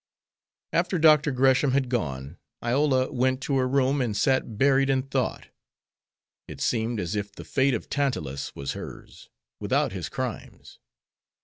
After Dr. Gresham had gone Iola went to her room and sat buried in thought. It seemed as if the fate of Tantalus was hers, without his crimes.